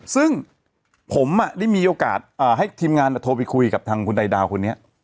ซึ่งผมได้มีโอกาสให้ทีมงานโทรไปคุยกับทางคุณไดดาวคนนี้